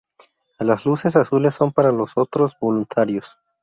Las luces azules son para los otros voluntarios.